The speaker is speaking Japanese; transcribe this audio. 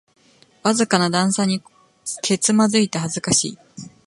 わずかな段差にけつまずいて恥ずかしい